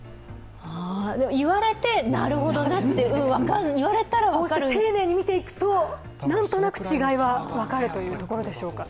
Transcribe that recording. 言われて、なるほどなって分かる丁寧に見ていくと、なんとなく違いは分かるというところでしょうか。